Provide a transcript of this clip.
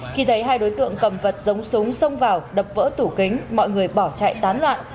khi thấy hai đối tượng cầm vật giống súng xông vào đập vỡ tủ kính mọi người bỏ chạy tán loạn